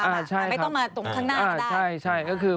ไม่ต้องมาตรงข้างหน้ามาได้